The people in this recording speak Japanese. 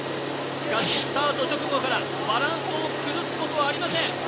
しかし、スタート直後からバランスを崩すことはありません。